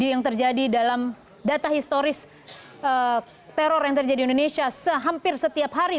yang terjadi dalam data historis teror yang terjadi di indonesia sehampir setiap hari